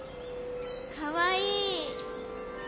かわいい。